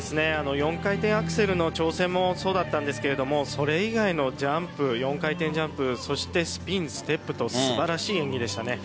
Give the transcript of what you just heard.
４回転アクセルの挑戦もそうでしたがそれ以外のジャンプ４回転ジャンプそしてスピン、ステップと素晴らしい演技でしたね。